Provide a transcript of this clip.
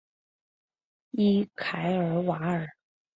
伊凯尔瓦尔。